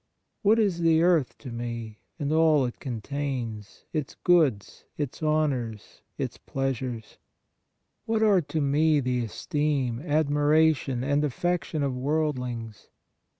What is the earth to me, and all it contains, its goods, its honors, its pleasures! What are to me INTRODUCTORY 5 the esteem, admiration and affection of worldlings